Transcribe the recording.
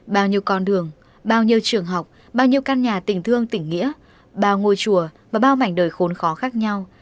bao nhiêu con đường bao nhiêu trường học bao nhiêu căn nhà tỉnh thương tỉnh nghĩa bao ngôi chùa và bao mảnh đời khốn khó khác nhau